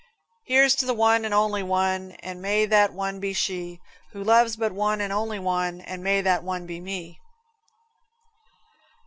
Here's to one and only one, And may that one be she Who loves but one and only one, And may that one be me.